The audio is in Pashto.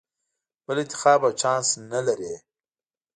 بل انتخاب او چانس نه لرې.